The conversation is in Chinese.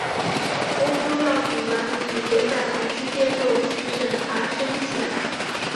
欧洲药品管理局也在同期接受其审查申请。